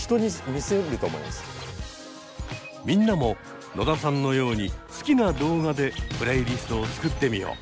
みんなも野田さんのように好きな動画でプレイリストを作ってみよう。